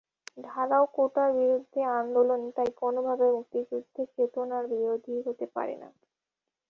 ঢালাও কোটার বিরুদ্ধে আন্দোলন তাই কোনোভাবেই মুক্তিযুদ্ধের চেতনার বিরোধী হতে পারে না।